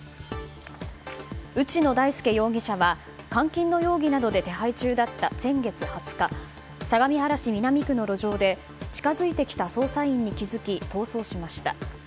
内野大輔容疑者は監禁の容疑などで手配中だった先月２０日相模原市南区の路上で近づいてきた捜査員に気付き逃走しました。